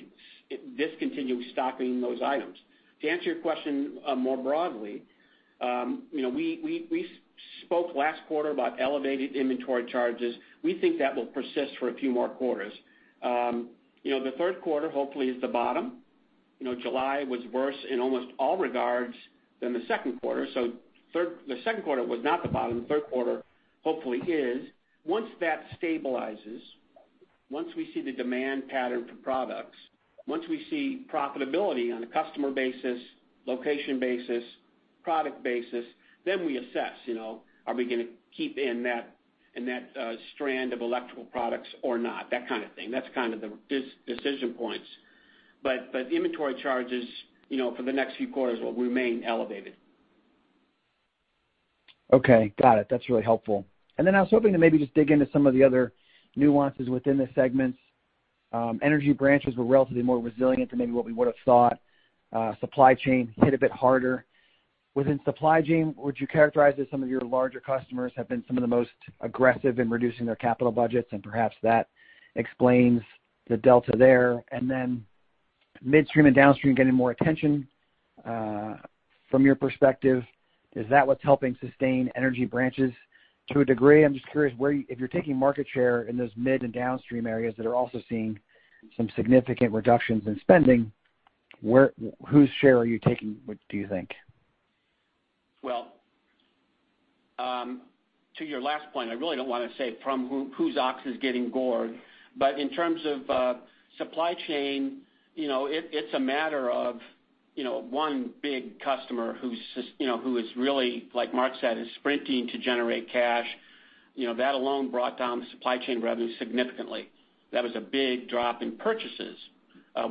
discontinue stocking those items. To answer your question more broadly, we spoke last quarter about elevated inventory charges. We think that will persist for a few more quarters. The third quarter, hopefully, is the bottom. July was worse in almost all regards than the second quarter. The second quarter was not the bottom. The third quarter hopefully is. Once that stabilizes, once we see the demand pattern for products, once we see profitability on a customer basis, location basis, product basis, we assess, are we going to keep in that strand of electrical products or not? That kind of thing. That's kind of the decision points. Inventory charges for the next few quarters will remain elevated. Okay. Got it. That's really helpful. I was hoping to maybe just dig into some of the other nuances within the segments. Energy branches were relatively more resilient than maybe what we would have thought. Supply chain hit a bit harder. Within supply chain, would you characterize that some of your larger customers have been some of the most aggressive in reducing their capital budgets, and perhaps that explains the delta there? Midstream and downstream getting more attention, from your perspective, is that what's helping sustain energy branches to a degree? I'm just curious, if you're taking market share in those mid and downstream areas that are also seeing some significant reductions in spending, whose share are you taking, do you think? To your last point, I really don't want to say from whose ox is getting gored. In terms of supply chain, it's a matter of one big customer who is really, like Mark said, is sprinting to generate cash. That alone brought down the supply chain revenue significantly. That was a big drop in purchases.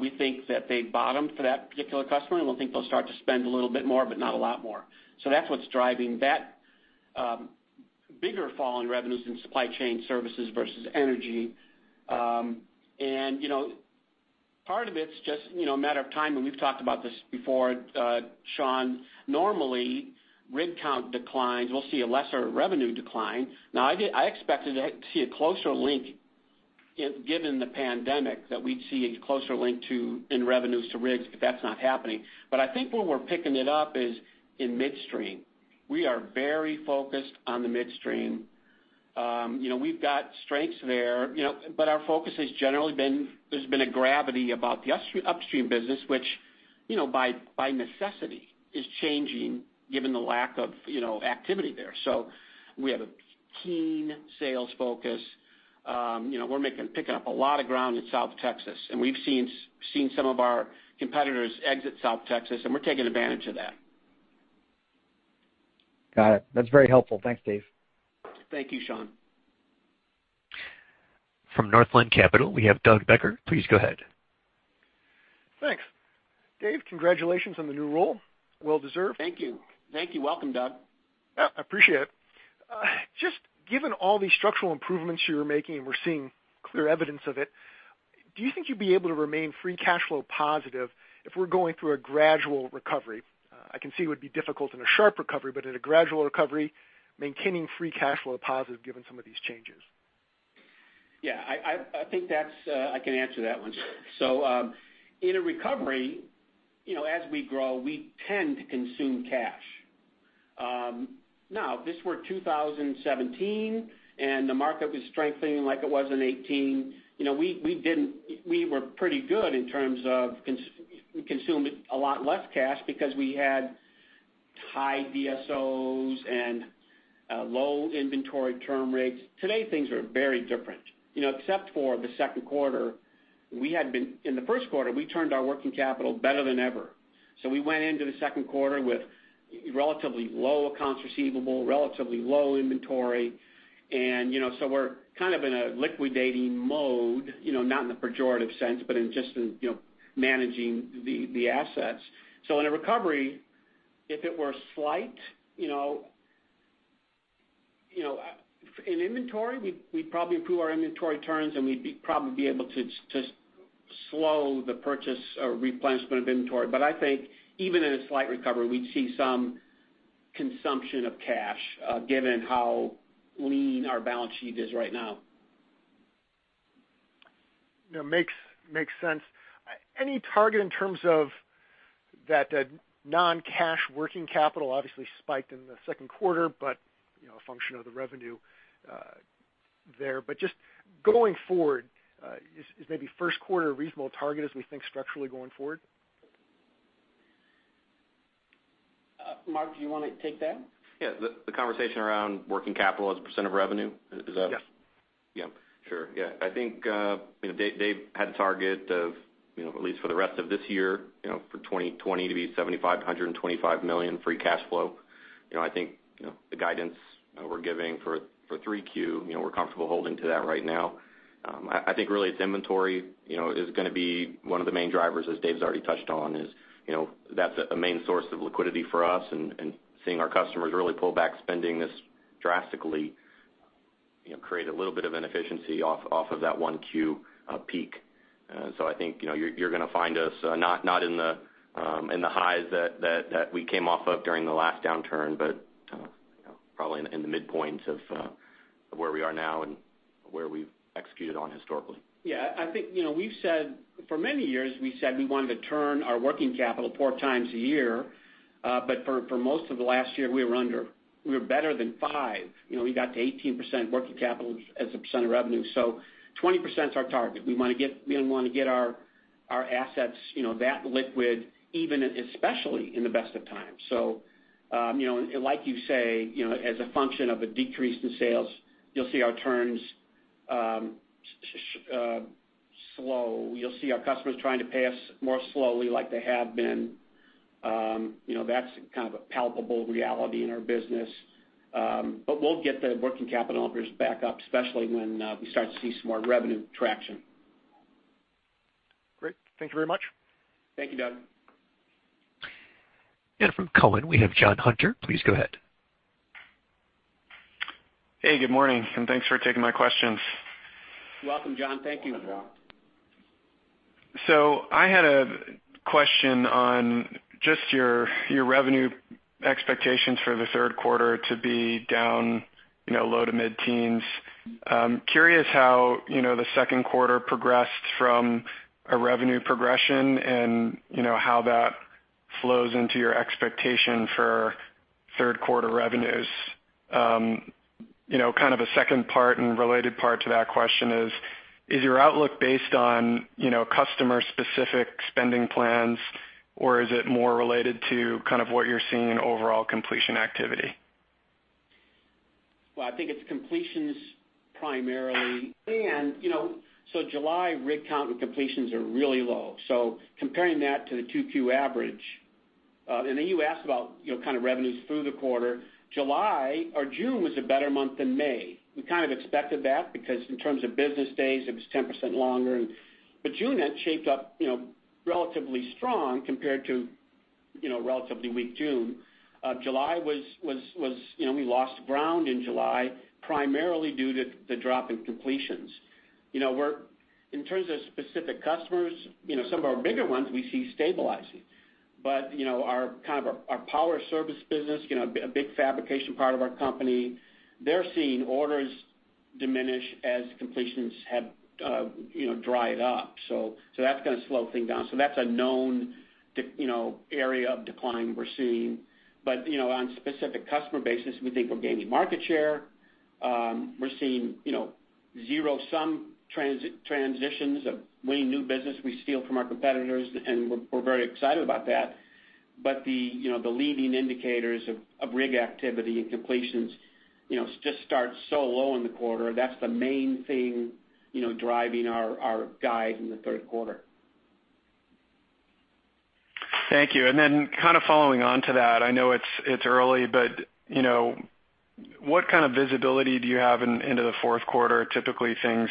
We think that they bottomed for that particular customer, and we'll think they'll start to spend a little bit more, but not a lot more. That's what's driving that bigger fall in revenues in supply chain services versus energy. Part of it's just a matter of time, and we've talked about this before, Sean. Normally, rig count declines, we'll see a lesser revenue decline. Now, I expected to see a closer link, given the pandemic, that we'd see a closer link in revenues to rigs, but that's not happening. I think where we're picking it up is in midstream. We are very focused on the midstream. We've got strengths there, but our focus has generally been, there's been a gravity about the upstream business, which, by necessity, is changing given the lack of activity there. We have a keen sales focus. We're picking up a lot of ground in South Texas, and we've seen some of our competitors exit South Texas, and we're taking advantage of that. Got it. That's very helpful. Thanks, Dave. Thank you, Sean. From Northland Capital, we have Doug Becker. Please go ahead. Thanks. Dave, congratulations on the new role. Well deserved. Thank you. Thank you. Welcome, Doug. I appreciate it. Given all these structural improvements you're making, and we're seeing clear evidence of it, do you think you'd be able to remain free cash flow positive if we're going through a gradual recovery? I can see it would be difficult in a sharp recovery, at a gradual recovery, maintaining free cash flow positive given some of these changes. Yeah, I think I can answer that one, Sean. In a recovery, as we grow, we tend to consume cash. If this were 2017 and the market was strengthening like it was in 2018, we were pretty good in terms of consuming a lot less cash because we had high DSOs and low inventory turn rates. Today, things are very different. Except for the second quarter, in the first quarter, we turned our working capital better than ever. We went into the second quarter with relatively low accounts receivable, relatively low inventory, we're kind of in a liquidating mode, not in the pejorative sense, but in just in managing the assets. In a recovery, if it were slight, in inventory, we'd probably improve our inventory turns, we'd probably be able to slow the purchase or replenishment of inventory. I think even in a slight recovery, we'd see some consumption of cash, given how lean our balance sheet is right now. Makes sense. Any target in terms of that non-cash working capital obviously spiked in the second quarter, but a function of the revenue there. Just going forward, is maybe first quarter a reasonable target as we think structurally going forward? Mark, do you want to take that? Yeah. The conversation around working capital as a percentage of revenue, is that- Yeah. Yeah. Sure. Yeah. I think Dave had a target of at least for the rest of this year for 2020 to be $7,525 million free cash flow. I think the guidance we're giving for 3Q, we're comfortable holding to that right now. I think really it's inventory is going to be one of the main drivers, as Dave's already touched on, is that's a main source of liquidity for us and seeing our customers really pull back spending this drastically create a little bit of an efficiency off of that 1Q peak. I think you're going to find us not in the highs that we came off of during the last downturn, but probably in the midpoints of where we are now and where we've executed on historically. Yeah. I think for many years, we said we wanted to turn our working capital four times a year. For most of the last year, we were under. We were better than five. We got to 18% working capital as a percent of revenue. 20% is our target. We want to get our assets that liquid even especially in the best of times. Like you say, as a function of a decrease in sales, you'll see our turns slow. You'll see our customers trying to pay us more slowly like they have been. That's kind of a palpable reality in our business. We'll get the working capital numbers back up, especially when we start to see some more revenue traction. Great. Thank you very much. Thank you, Doug. From Cowen, we have John Hunter. Please go ahead. Hey, good morning, and thanks for taking my questions. Welcome, John. Thank you. I had a question on just your revenue expectations for the third quarter to be down low to mid-teens. Curious how the second quarter progressed from a revenue progression and how that flows into your expectation for third quarter revenues. Kind of a second part and related part to that question is your outlook based on customer specific spending plans or is it more related to kind of what you're seeing in overall completion activity? I think it's completions primarily. July rig count and completions are really low. Comparing that to the 2Q average. Then you asked about kind of revenues through the quarter. July or June was a better month than May. We kind of expected that because in terms of business days, it was 10% longer. June had shaped up relatively strong compared to relatively weak June. July, we lost ground in July primarily due to the drop in completions. In terms of specific customers, some of our bigger ones we see stabilizing. Our power service business, a big fabrication part of our company, they're seeing orders diminish as completions have dried up. That's going to slow things down. That's a known area of decline we're seeing. On a specific customer basis, we think we're gaining market share. We're seeing zero sum transitions of winning new business we steal from our competitors, and we're very excited about that. The leading indicators of rig activity and completions just start so low in the quarter. That's the main thing driving our guide in the third quarter. Thank you. Then kind of following on to that, I know it's early, but what kind of visibility do you have into the fourth quarter? Typically things,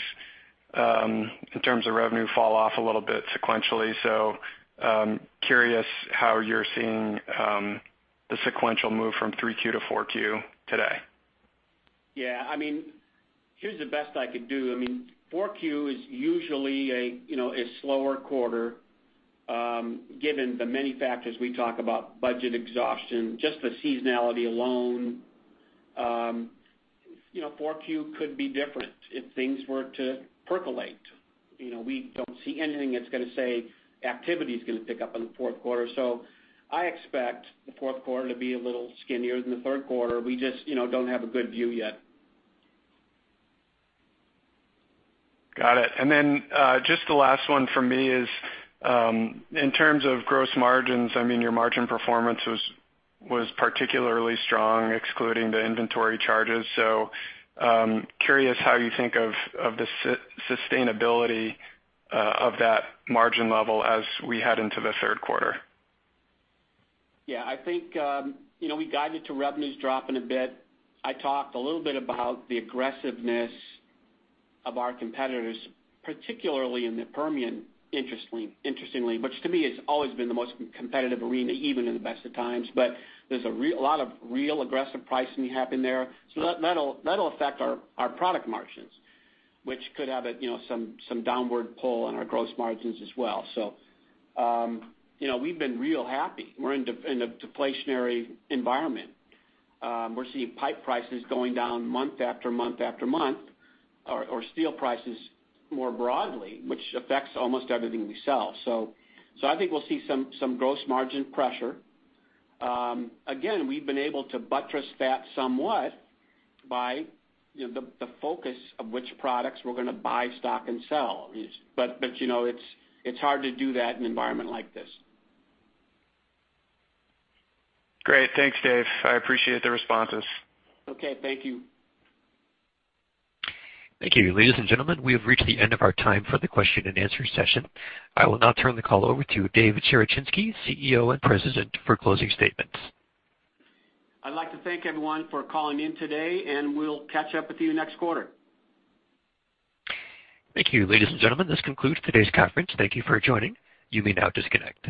in terms of revenue, fall off a little bit sequentially. Curious how you're seeing the sequential move from 3Q to 4Q today. Yeah. Here's the best I could do. 4Q is usually a slower quarter given the many factors we talk about, budget exhaustion, just the seasonality alone. 4Q could be different if things were to percolate. We don't see anything that's going to say activity is going to pick up in the fourth quarter. I expect the fourth quarter to be a little skinnier than the third quarter. We just don't have a good view yet. Got it. Just the last one from me is, in terms of gross margins, your margin performance was particularly strong, excluding the inventory charges. Curious how you think of the sustainability of that margin level as we head into the third quarter. Yeah, I think we guided to revenues dropping a bit. I talked a little bit about the aggressiveness of our competitors, particularly in the Permian, interestingly, which to me has always been the most competitive arena, even in the best of times. There's a lot of real aggressive pricing happening there. That'll affect our product margins, which could have some downward pull on our gross margins as well. We've been real happy. We're in a deflationary environment. We're seeing pipe prices going down month after month after month, or steel prices more broadly, which affects almost everything we sell. I think we'll see some gross margin pressure. Again, we've been able to buttress that somewhat by the focus of which products we're going to buy, stock, and sell. It's hard to do that in an environment like this. Great. Thanks, Dave. I appreciate the responses. Okay. Thank you. Thank you. Ladies and gentlemen, we have reached the end of our time for the question and answer session. I will now turn the call over to David Cherechinsky, CEO and President, for closing statements. I'd like to thank everyone for calling in today, and we'll catch up with you next quarter. Thank you. Ladies and gentlemen, this concludes today's conference. Thank you for joining. You may now disconnect.